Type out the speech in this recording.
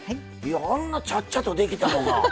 あんなちゃっちゃとできたのが。